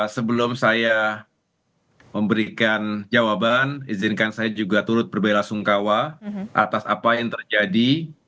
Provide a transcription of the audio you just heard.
sebelum saya memberikan jawaban izinkan saya juga turut berbela sungkawa atas apa yang terjadi